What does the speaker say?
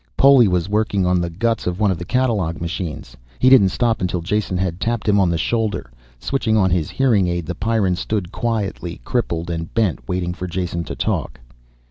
Poli was working on the guts of one of the catalogue machines. He didn't stop until Jason had tapped him on the shoulder. Switching on his hearing aid, the Pyrran stood quietly, crippled and bent, waiting for Jason to talk.